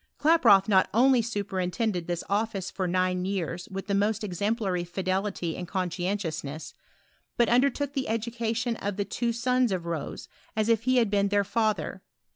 Klaproth not only superintended this office for nine years with the most exemplary fidelity and conscientiousness, but undertook the education of the two sons of Rose, as if he had been their father.